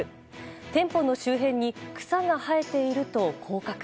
店舗の周辺に草が生えていると降格。